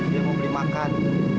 dia mau beli makan